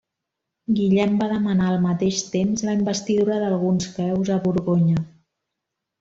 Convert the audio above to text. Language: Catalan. Guillem va demanar al mateix temps la investidura d'alguns feus a Borgonya.